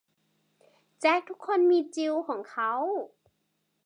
แจ็คทุกคนมีจิลของเขา